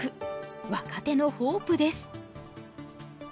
若手のホープです。